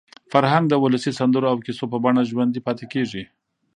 فرهنګ د ولسي سندرو او کیسو په بڼه ژوندي پاتې کېږي.